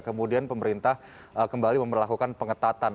kemudian pemerintah kembali memperlakukan pengetatan